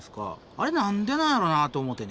あれ何でなんやろなと思てね。